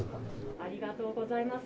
ありがとうございます。